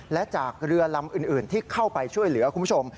และจากเรือลำอื่นที่เข้าไปช่วยเหลือคุณผู้ชม